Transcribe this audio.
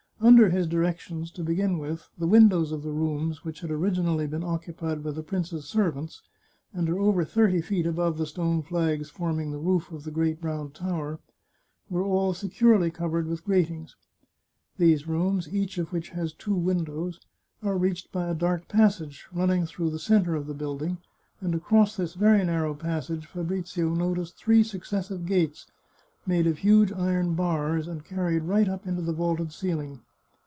Under his directions, to begin with, the windows of the rooms, which had originally been occu pied by the prince's servants, and are over thirty feet above the stone flags forming the roof of the great Round Tower, were all securely covered with gratings. These rooms, each of which has two windows, are reached by a dark passage, running through the centre of the building, and across this very narrow passage Fabrizio noticed three successive gates, made of huge iron bars, and carried right up into the vaulted ceiling.